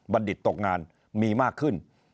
บัณฑิตตกงานมีมากขึ้น